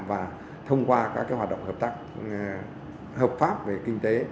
và thông qua các hoạt động hợp tác hợp pháp về kinh tế